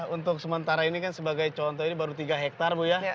untuk sementara ini kan sebagai contoh ini baru tiga hektare bu ya